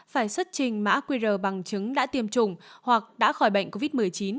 phải xuất trình mã qr bằng chứng đã tiêm chủng hoặc đã khỏi bệnh covid một mươi chín